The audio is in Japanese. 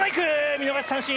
見逃し三振！